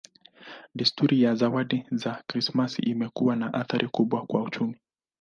Desturi ya zawadi za Krismasi imekuwa na athari kubwa kwa uchumi.